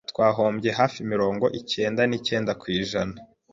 twahombye hafi mirongo ikenda nikenda kwijana